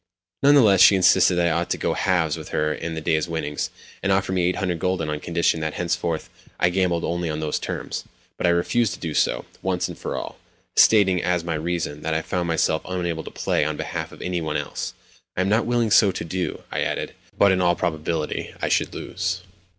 Nonetheless she insisted that I ought to go halves with her in the day's winnings, and offered me 800 gülden on condition that henceforth, I gambled only on those terms; but I refused to do so, once and for all—stating, as my reason, that I found myself unable to play on behalf of any one else, "I am not unwilling so to do," I added, "but in all probability I should lose."